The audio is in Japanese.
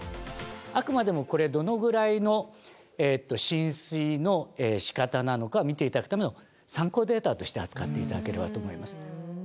あくまでもこれどのぐらいの浸水のしかたなのかを見て頂くための参考データとして扱って頂ければと思います。